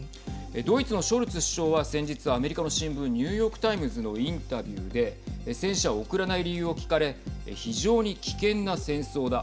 ドイツのショルツ首相は先日アメリカの新聞ニューヨーク・タイムズのインタビューで戦車を送らない理由を聞かれ非常に危険な戦争だ。